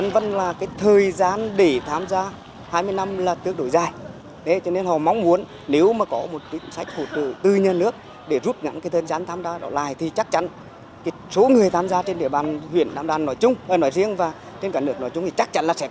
vận động tới từng người dân theo phương châm đi từng ngõ gõ từng nhà